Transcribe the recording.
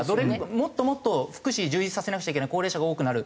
もっともっと福祉充実させなくちゃいけない高齢者が多くなる。